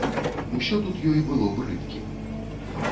Усё тут ёй было брыдкім.